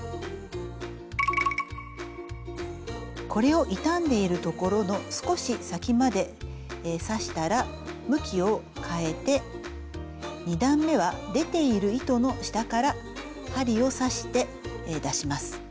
これを傷んでいる所の少し先まで刺したら向きをかえて２段めは出ている糸の下から針を刺して出します。